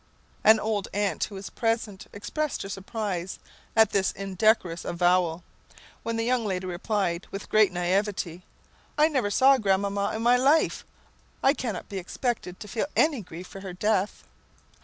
An old aunt, who was present, expressed her surprise at this indecorous avowal; when the young lady replied, with great naivete "I never saw grandmamma in my life. I cannot be expected to feel any grief for her death."